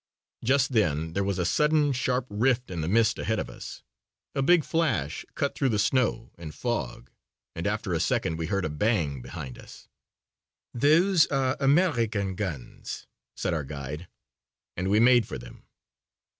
Just then there was a sudden sharp rift in the mist ahead of us. A big flash cut through the snow and fog and after a second we heard a bang behind us. "Those are American guns," said our guide, and we made for them.